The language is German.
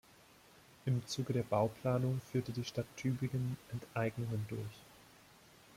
Im Zuge der Bauplanung führte die Stadt Tübingen Enteignungen durch.